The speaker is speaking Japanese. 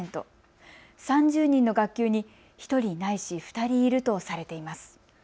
３０人の学級に１人ないし２人いるとされています。